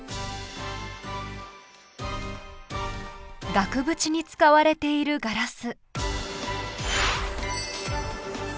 額縁に使われているガラス。